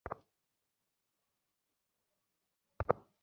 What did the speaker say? শান্ত হও, জুনিয়র আমি আজ তার শিকার।